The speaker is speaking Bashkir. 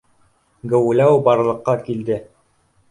Геүләү барлыҡҡа килде